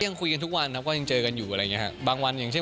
พี่ยังคุยกันทุกวันนะครับก็ยังเจอกันอยู่อะไรอย่างเงี้ยฮะ